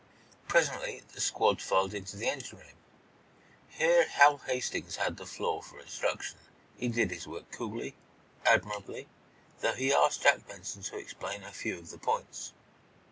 Presently the squad filed into the engine room. Here Hal Hastings had the floor for instruction. He did his work coolly, admirably, though he asked Jack Benson to explain a few of the points.